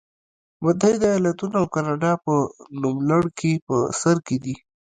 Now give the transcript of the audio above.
متحده ایالتونه او کاناډا په نوملړ کې په سر کې دي.